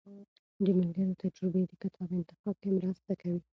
د ملګرو تجربې د کتاب انتخاب کې مرسته کوي.